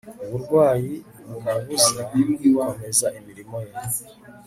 uburwayi bumubuza gukomeza imirimo ye